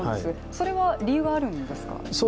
それは理由があるんですか？